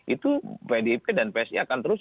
itu pdip dan psi akan terus